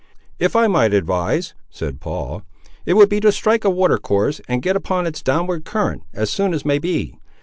"If I might advise," said Paul, "it would be to strike a water course, and get upon its downward current, as soon as may be.